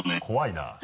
怖いな。